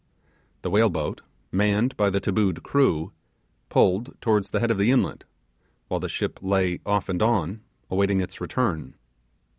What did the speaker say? The whale boat, manned by the tabooed crew, pulled towards the head of the inlet, while the ship lay 'off and on' awaiting its return.